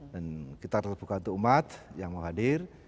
dan kita terbuka untuk umat yang mau hadir